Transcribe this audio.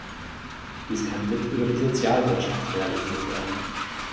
Dies kann mit über die Sozialwirtschaft realisiert werden.